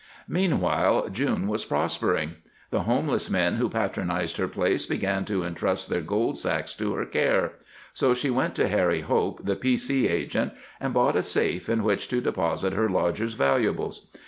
Meanwhile June was prospering. The homeless men who patronized her place began to intrust their gold sacks to her care; so she went to Harry Hope, the P. C. agent, and bought a safe in which to deposit her lodgers' valuables.